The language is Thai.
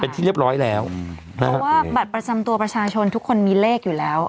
เป็นที่เรียบร้อยแล้วเพราะว่าบัตรประจำตัวประชาชนทุกคนมีเลขอยู่แล้ว